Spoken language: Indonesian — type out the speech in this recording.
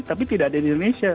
tapi tidak ada di indonesia